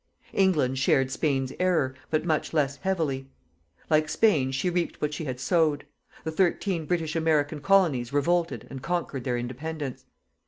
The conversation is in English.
England shared Spain's error, but much less heavily. Like Spain, she reaped what she had sowed. The thirteen British American colonies revolted and conquered their Independence.